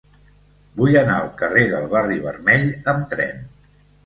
Vull anar al carrer del Barri Vermell amb tren.